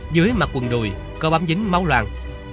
dưới mặt quần đùi có bám dính máu loạn